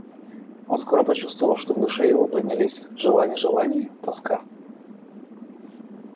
Он скоро почувствовал, что в душе его поднялись желания желаний, тоска.